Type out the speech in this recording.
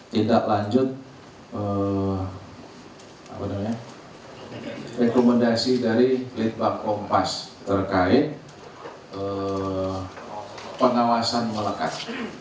tindak lanjut rekomendasi dari litbang kompas terkait pengawasan melekat